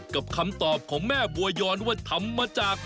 คำตอบของแม่บัวยอนว่าทำมาจาก